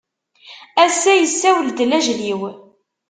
Ass-a yessawel-d lajel-iw.